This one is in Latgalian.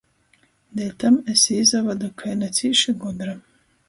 Deļtam es i izavadu kai na cīši gudra.